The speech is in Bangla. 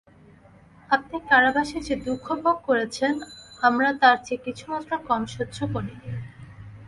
আপনি কারাবাসে যে দুঃখ ভোগ করেছেন আমরা তার চেয়ে কিছুমাত্র কম সহ্য করি নি।